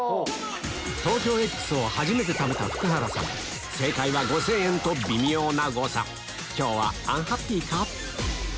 ＴＯＫＹＯＸを初めて食べた福原さん微妙な誤差今日はアンハッピーか？